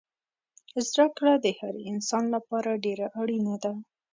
زده کړه دهر انسان لپاره دیره اړینه ده